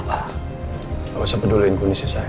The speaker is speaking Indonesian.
bapak usah peduliin kondisi saya